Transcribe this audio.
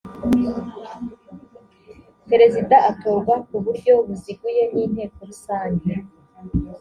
perezida atorwa ku buryo buziguye n inteko rusange